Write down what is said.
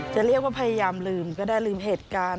จะเรียกว่าพยายามลืมก็ได้ลืมเหตุการณ์